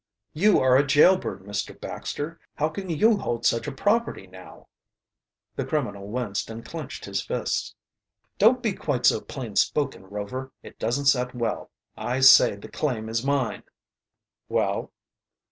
"You are a jailbird, Mr. Baxter. How can you hold such a property now?" The criminal winced and clenched his fists. "Don't be quite so plain spoken, Rover, it doesn't set well. I say the claim is mine." "Well?"